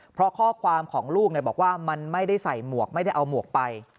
เพราะข้อความของลูกบอกว่ามันไม่ได้ใส่หมวกไม่ได้เอาหมวกไป